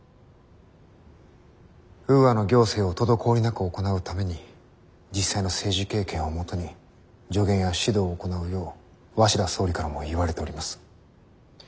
ウーアの行政を滞りなく行うために実際の政治経験をもとに助言や指導を行うよう鷲田総理からも言われております。